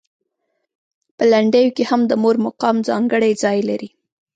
په لنډیو کې هم د مور مقام ځانګړی ځای لري.